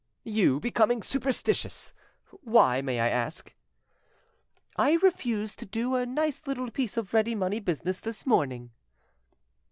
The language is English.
"You becoming superstitious! Why, may I ask?" "I refused to do a nice little piece of ready money business this morning."